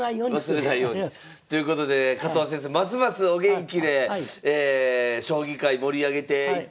忘れないように。ということで加藤先生ますますお元気で将棋界盛り上げていただきたいと思います。